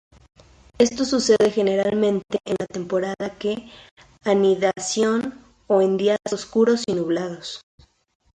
Esto sucede generalmente en la temporada que anidación o en días oscuros y nublados.